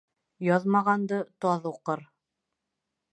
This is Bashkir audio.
Яҙмағанды таҙ уҡыр.